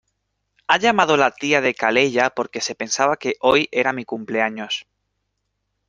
Ha llamado la tía de Calella porque se pensaba que hoy era mi cumpleaños.